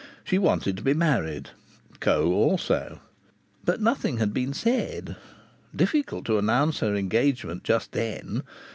She wanted to be married; Coe also. But nothing had been said. Difficult to announce her engagement just then!